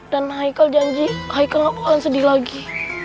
dan haikal janji haikal nggak akan sedih lagi